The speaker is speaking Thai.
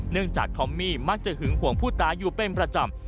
จากทอมมี่มักจะหึงห่วงผู้ตายอยู่เป็นประจำ